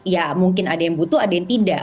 ya mungkin ada yang butuh ada yang tidak